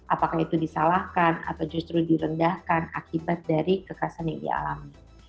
apakah itu disalahkan atau justru direndahkan akibat dari kekerasan yang dia alami